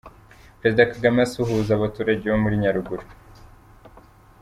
Perezida Kagame asuhuza abaturage bo muri Nyaruguru.